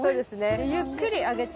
ゆっくり上げて。